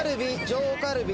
上カルビ。